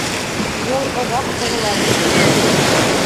—Йыл оҙаҡ һуҙыла бит!